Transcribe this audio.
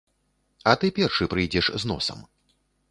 А ты першы прыйдзеш з носам.